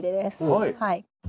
はい。